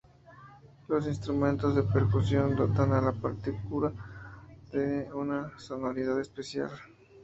Los instrumentos de percusión dotan a la partitura de una sonoridad especial.